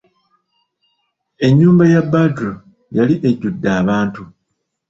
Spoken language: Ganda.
Ennyumba ya Badru yali ejjudde abantu.